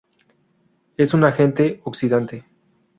Es un agente oxidante.